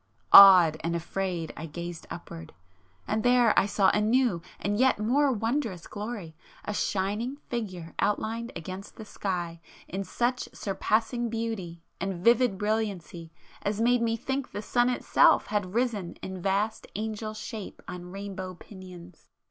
Awed and afraid I gazed upward, ... and there I saw a new and yet more wondrous glory, ... a shining Figure outlined against the sky in such surpassing beauty and vivid brilliancy as made me think the sun itself had risen in vast Angel shape on rainbow pinions!